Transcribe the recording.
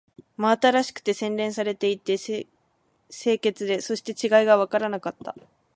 真新しくて、洗練されていて、清潔で、そして違いがわからなかった